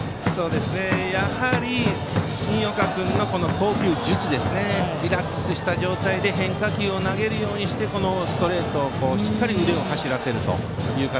やはり新岡君の投球術リラックスした状態で変化球を投げるようにしてストレートでしっかり腕を走らせる形。